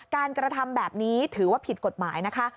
กระทำแบบนี้ถือว่าผิดกฎหมายนะคะ